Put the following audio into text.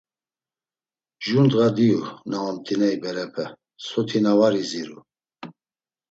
Jur ndğa diyu na omt̆iney berepe soti na var iziru.